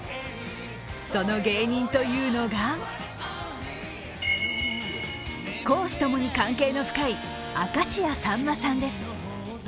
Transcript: その芸人というのが公私ともに関係の深い明石家さんまさんです。